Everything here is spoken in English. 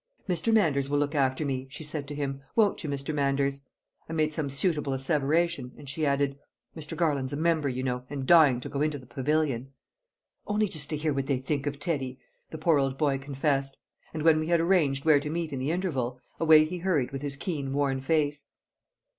"Mr. Manders will look after me," she said to him, "won't you, Mr. Manders?" I made some suitable asseveration, and she added: "Mr. Garland's a member, you know, and dying to go into the Pavilion." "Only just to hear what they think of Teddy," the poor old boy confessed; and when we had arranged where to meet in the interval, away he hurried with his keen, worn face.